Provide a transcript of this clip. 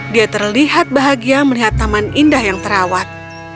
dia terlihat bahagia melihat taman indah yang terawat